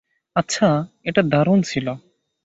আচ্ছা, এটা দারুণ ছিল।